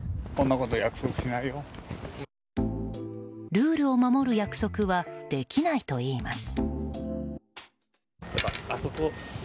ルールを守る約束はできないといいます。